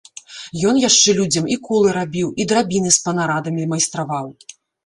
Ён яшчэ людзям і колы рабіў, і драбіны з панарадамі майстраваў.